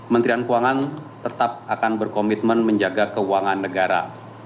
menterian keuangan tetap akan berkomitmen menjaga keuangan negara